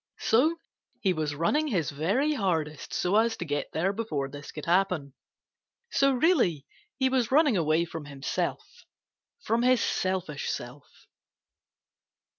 So he was running his very hardest so as to get there before this could happen. So really he was running away from himself, from his selfish self.